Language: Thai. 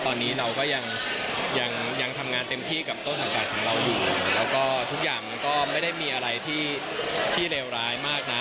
ตอนนี้เราก็ยังทำงานเต็มที่กับต้นสังกัดของเราอยู่แล้วก็ทุกอย่างมันก็ไม่ได้มีอะไรที่เลวร้ายมากนะ